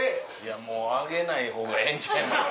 もう上げない方がええんちゃいます？